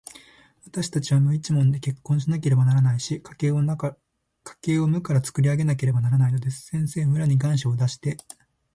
わたしたちは無一文で結婚しなければならないし、家計を無からつくり上げなければならないのです。先生、村に願書を出して、